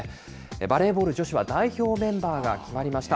バレーボール女子は、代表メンバーが決まりました。